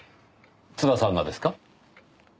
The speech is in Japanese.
津田さんがですか？